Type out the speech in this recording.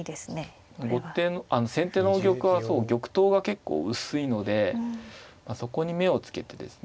先手の玉は玉頭が結構薄いのでそこに目をつけてですね